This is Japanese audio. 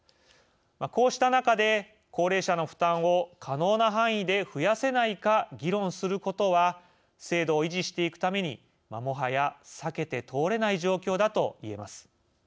こうした中で、高齢者の負担を可能な範囲で増やせないか議論することは制度を維持していくためにもはや避けて通れない状況だと言えます。